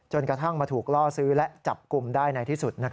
กระทั่งมาถูกล่อซื้อและจับกลุ่มได้ในที่สุด